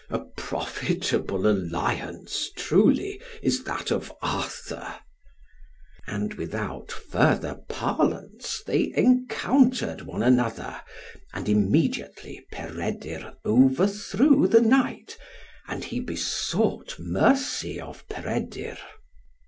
"A profitable alliance, truly, is that of Arthur." And without further parlance, they encountered one another, and immediately Peredur overthrew the knight, and he besought mercy of Peredur.